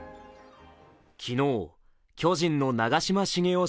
昨日、巨人の長嶋茂雄